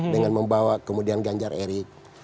dengan membawa kemudian ganjar erik